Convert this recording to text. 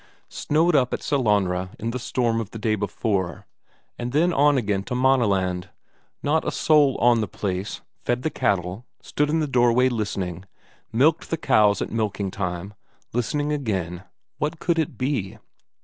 Snowed up at Sellanraa in the storm of the day before, and then on again to Maaneland; not a soul on the place; fed the cattle, stood in the doorway listening, milked the cows at milking time, listening again; what could it be?...